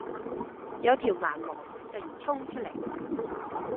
有條盲毛突然衝出嚟